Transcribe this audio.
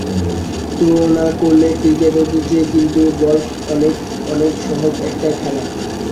তুলনা করলে ক্রিকেটের চেয়ে কিন্তু গলফ অনেক অনেক সরল একটা খেলা।